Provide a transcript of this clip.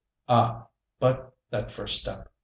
Ah, but that first step!